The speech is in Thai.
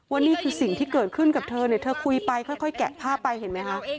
นี่คือสิ่งที่เกิดขึ้นกับเธอเนี่ยเธอคุยไปค่อยแกะภาพไปเห็นไหมคะ